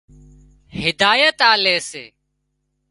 هدايت آلي سي